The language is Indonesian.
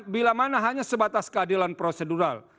bila mana hanya sebatas keadilan prosedural